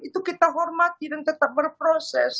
itu kita hormati dan tetap berproses